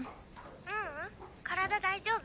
☎ううん体大丈夫？